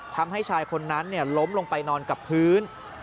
ทำให้ชายคนนั้นล้มลงไปนอนกับพื้น